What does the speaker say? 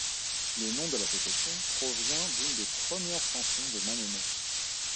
Le nom de l’association provient d’une des premières chansons de Mamemo.